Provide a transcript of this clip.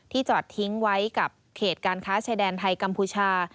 จอดทิ้งไว้กับเขตการค้าชายแดนไทยกัมพูชา